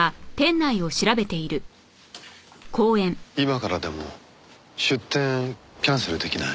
今からでも出店キャンセル出来ない？